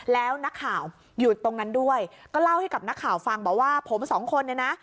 แล้วนักข่าวอยู่ตรงนั้นด้วยก็เล่าให้กับนักข่าวฟังบอกว่าผมสองคนเนี่ยนะ